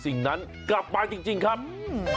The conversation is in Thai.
สิ่งนั้นกลับไปจริงครับ